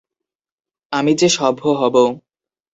আমি যে সভ্য হব।